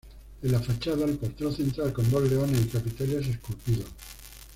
En la fachada, el portal central con dos leones y capiteles esculpidos.